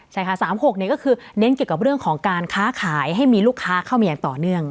ใช่ค่ะ๓๖ก็คือเน้นเกี่ยวกับเรื่องของการค้าขายให้มีลูกค้าเข้ามาอย่างต่อเนื่อง